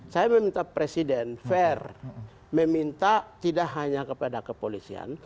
saya meminta presiden fair meminta tidak hanya kepada kepolisian